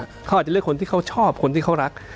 เขาอาจจะเลือกคนที่เขาชอบคนที่เขารัก